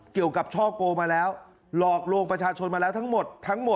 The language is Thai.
เกี่ยวกับช่อโกมาแล้วหลอกโลงประชาชนมาแล้วทั้งหมด